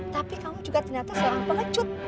tapi kamu juga ternyata seorang pengecut